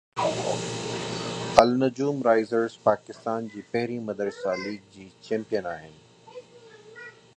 النجوم risers Pakistan جي پهرين مدرسه ليگ جي چيمپيئن آهن